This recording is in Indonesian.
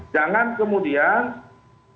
jangan kemudian mendorong opini